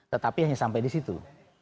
tetapi hanya sampai di situ